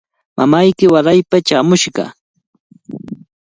Mamayki waraypa chaamushqa.